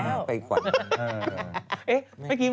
มากไปกว่านี้